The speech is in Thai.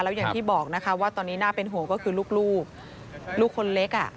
แล้วอย่างที่บอกนะคะว่าตอนนี้น่าเป็นห่วงก็คือลูกลูกคนเล็กอ่ะ